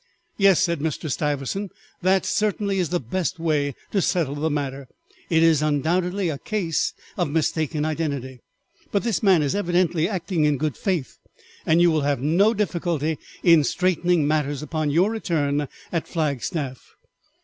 "Yes," said Mr. Stiversant, "that certainly is the best way to settle the matter; it is, undoubtedly, a case of mistaken identity, but this man is evidently acting in good faith, and you will have no difficulty in straightening matters upon your return at Flagstaff."